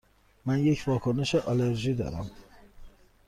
من یک واکنش آلرژی دارم.